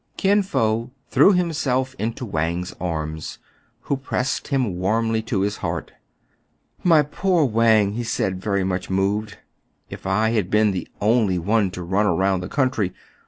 Kin Fo threw himself into Wang's arms, who pressed him warmly to his heart. " My poor Wang !" he said, very much moved, if I had been the only one to run about the country